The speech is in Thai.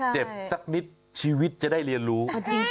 สักนิดชีวิตจะได้เรียนรู้